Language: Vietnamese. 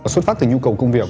xuất phát từ nhu cầu công việc